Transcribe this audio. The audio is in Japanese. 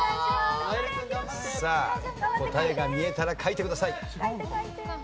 さあ答えが見えたら書いてください。